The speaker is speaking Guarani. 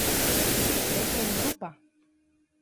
Rehendúpa?